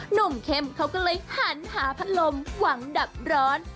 หนุ่มเข้มเขาก็เลยหันหาพัดลมหวังดับร้อน